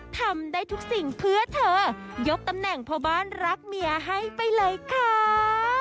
ทำได้ทุกสิ่งเพื่อเธอยกตำแหน่งพ่อบ้านรักเมียให้ไปเลยค่ะ